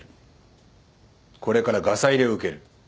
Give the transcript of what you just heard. これからガサ入れを受ける。